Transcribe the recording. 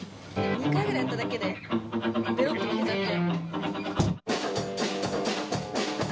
２回ぐらいやっただけで、べろってむけちゃって。